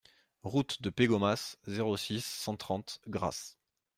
Route de Pégomas, zéro six, cent trente Grasse